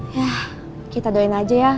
ya kita doain aja ya